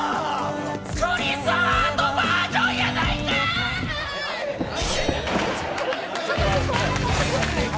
クリス・ハートバージョンやないかい！